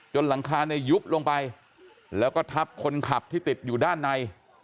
หลังคาเนี่ยยุบลงไปแล้วก็ทับคนขับที่ติดอยู่ด้านใน